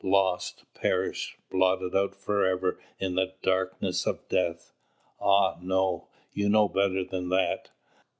Lost, perished, blotted out forever in the darkness of death? Ah, no; you know better than that.